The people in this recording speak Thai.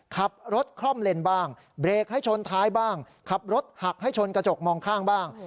ขับรถคล่อมเลนบ้างเบรกให้ชนท้ายบ้างขับรถหักให้ชนกระจกมองข้างบ้าง